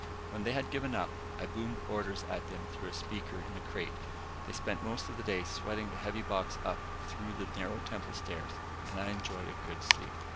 When they had given up, I boomed orders at them through a speaker in the crate. They spent most of the day sweating the heavy box up through the narrow temple stairs and I enjoyed a good sleep.